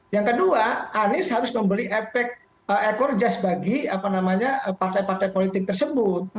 yang kedua anies harus membeli efek ekor jas bagi partai partai politik tersebut